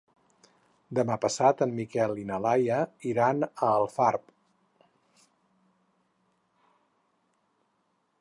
Demà passat en Miquel i na Laia iran a Alfarb.